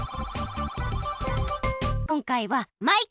こんかいはマイカ！